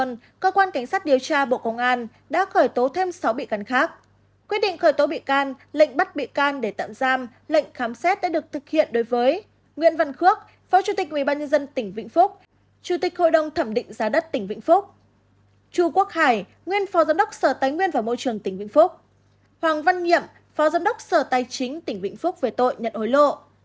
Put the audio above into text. hoàng văn nghiệm phó giám đốc sở tài chính tỉnh vĩnh phúc về tội nhận hối lộ